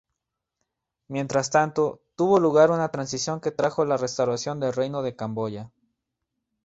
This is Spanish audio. Mientras tanto, tuvo lugar una transición que trajo la restauración del Reino de Camboya.